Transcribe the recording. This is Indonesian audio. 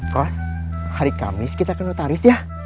kos hari kamis kita ke notaris ya